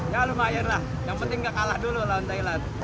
ya lumayan lah yang penting gak kalah dulu lawan thailand